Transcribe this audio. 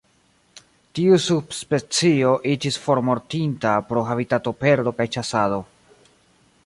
Tiu subspecio iĝis formortinta pro habitatoperdo kaj ĉasado.